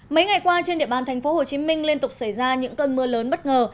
mấy ngày qua trên địa bàn thành phố hồ chí minh liên tục xảy ra những cơn mưa lớn bất ngờ